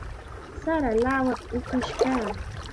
Sara lawatam upush kaa.